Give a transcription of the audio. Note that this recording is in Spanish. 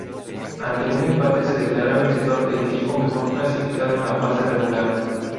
Ante un empate se declara vencedor el equipo mejor clasificado en la fase regular.